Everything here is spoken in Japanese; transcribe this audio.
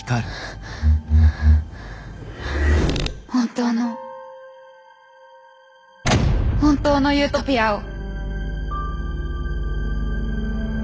本当の本当のユートピアを。